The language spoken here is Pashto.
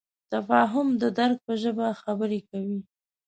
تفاهم د درک په ژبه خبرې کوي.